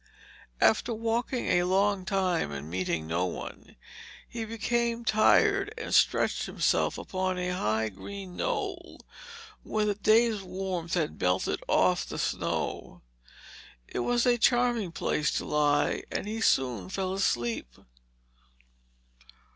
After walking a long time and meeting no one, he became tired and stretched himself upon a high green knoll where the day's warmth had melted off the snow. It was a charming place to lie, and he soon fell asleep.